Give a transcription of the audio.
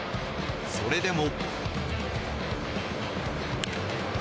それでも。